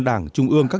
đảng trung quốc